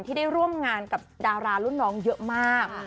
ที่ได้ร่วมงานกับดารารุ่นน้องเยอะมาก